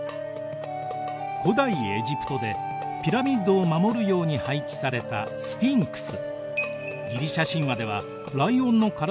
古代エジプトでピラミッドを守るように配置されたスフィンクス。